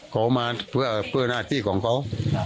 เขามาเพื่อหน้าที่ของเขา